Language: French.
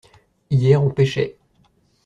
Hier on pêchait.